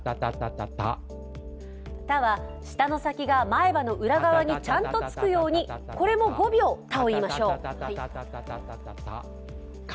「タ」は舌の先が前歯の裏側にちゃんとつくように、これも５秒「タ」を言いましょう。